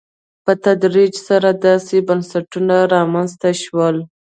په تدریج سره داسې بنسټونه رامنځته شول.